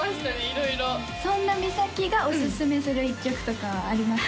色々そんな美咲がおすすめする１曲とかはあります？